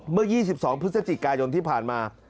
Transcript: เมื่อ๒๒พฤศจิกายนที่ผ่านมา